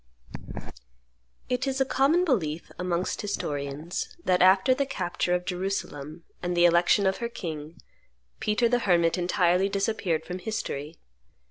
It is a common belief amongst historians that after the capture of Jerusalem, and the election of her king, Peter the Hermit entirely disappeared from history.